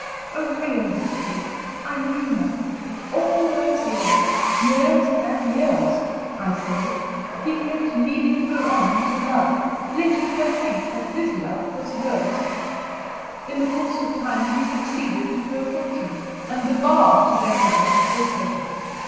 "A real history. I knew her. All those years years and years, I say he kept leading her on to love, letting her think that his love was hers. In the course of time he succeeded to a fortune, and the bar to their marriage was over.